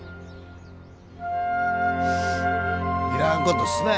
いらんことすんなよ